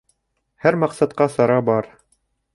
Һәр маҡсатҡа сара бар.